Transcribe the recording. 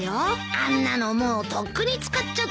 あんなのもうとっくに使っちゃったよ。